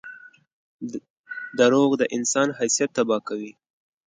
• دروغ د انسان حیثیت تباه کوي.